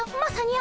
あ！